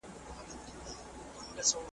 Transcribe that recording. قناعت کونکی بنده هېڅکله نه غریبیږي.